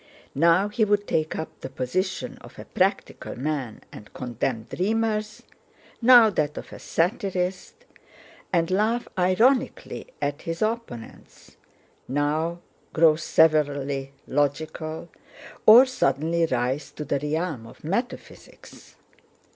Now he would take up the position of a practical man and condemn dreamers; now that of a satirist, and laugh ironically at his opponents; now grow severely logical, or suddenly rise to the realm of metaphysics.